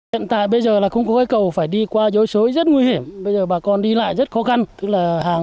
hiện tại bây giờ là cũng có cây cầu phải đi qua suối các em học sinh đi học phải trèo qua mặt cầu gãy để đến trường